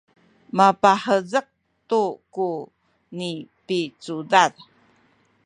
mapahezek tu ku nipicudad